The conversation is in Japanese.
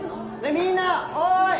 みんなおい！